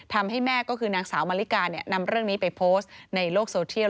ทำให้แม่ก็คือนางสาวมาริกานำเรื่องนี้ไปโพสต์ในโลกโซเทียล